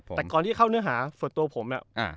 ครับผมแต่ก่อนที่เข้าเเนื้อหาส่วนตัวผมเนี่ยอ่า